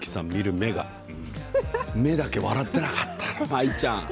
目が笑ってなかった舞ちゃん。